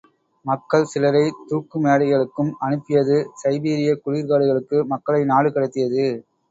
மக்கள் சிலரைத் தூக்கு மேடைகளுக்கும் அனுப்பியது சைபீரியக் குளிர் காடுகளுக்கு மக்களை நாடு கடத்தியது.